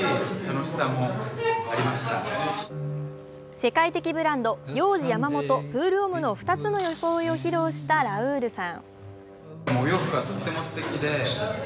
世界的ブランド、ヨウジヤマモトプールオムの２つの装いを披露したラウールさん